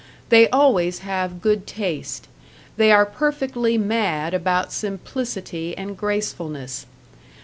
They always have good taste; they are perfectly mad about simplicity and gracefulness.